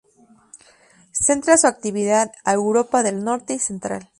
Centra su actividad a Europa del Norte y Central.